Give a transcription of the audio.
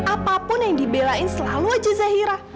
apapun yang dibelain selalu aja zahira